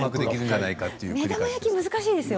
目玉焼き、難しいですよ。